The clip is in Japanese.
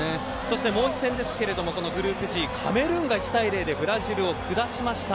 もう一戦、グループＧカメルーンが１対０でブラジルを下しました。